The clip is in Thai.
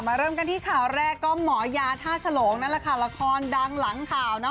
เริ่มกันที่ข่าวแรกก็หมอยาท่าฉลงนั่นแหละค่ะละครดังหลังข่าวนะ